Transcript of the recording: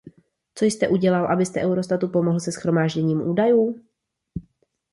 Co jste udělal, abyste Eurostatu pomohl se shromážděním údajů?